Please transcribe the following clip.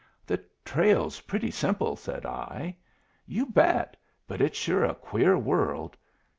"The trail's pretty simple," said I. "You bet! But it's sure a queer world.